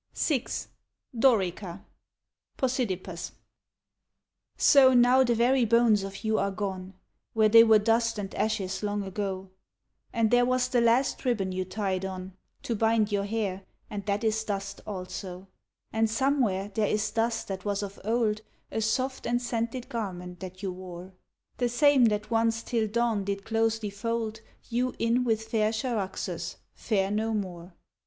VI DORICHA (JPosidippus) So now the very bones of you are gone Where they were dust and ashes long ago; And there was the last ribbon you tied on To bind your hair, and that is dust also ; And somewhere there is dust that was of old A soft and scented garment that you wore — The same that once till dawn did closely fold You in with fair Charaxus, fair no more.